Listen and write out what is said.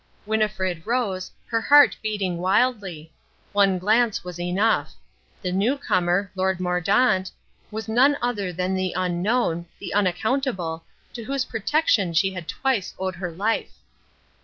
Winnifred rose, her heart beating wildly. One glance was enough. The newcomer, Lord Mordaunt, was none other than the Unknown, the Unaccountable, to whose protection she had twice owed her life.